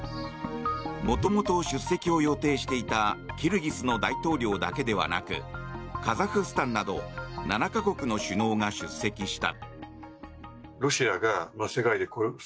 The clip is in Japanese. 元々、出席を予定していたキルギスの大統領だけではなくカザフスタンなど７か国の首脳が出席した。